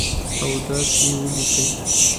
او داسي یې ولیکئ